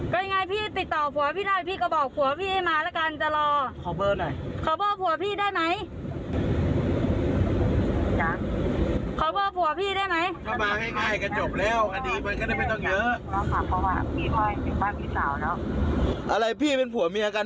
พึ่งมาจากทำงานแล้วอันนี้ก็เลยมาหิดง่ายหิดข่าว